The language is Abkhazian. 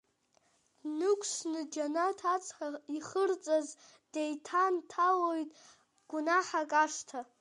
Днықәсны џьанаҭ ацҳа ихырҵаз, деиҭанҭалоит гәнаҳак ашҭа.